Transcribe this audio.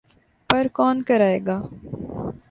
پر کون کرائے گا؟